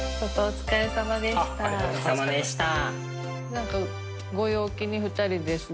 お疲れさまでした。